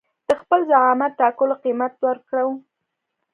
د خپل زعامت ټاکلو قيمت ورکړو.